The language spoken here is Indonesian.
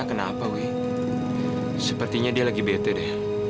sampai jumpa di video selanjutnya